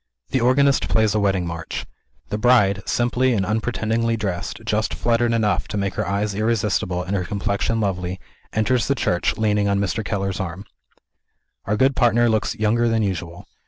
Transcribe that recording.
The organist plays a wedding march. The bride, simply and unpretendingly dressed, just fluttered enough to make her eyes irresistible, and her complexion lovely, enters the church, leaning on Mr. Keller's arm. Our good partner looks younger than usual.